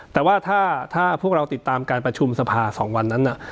แต่ว่าถ้าพวกเราติดตามการประชุมสภา๒วันนั้น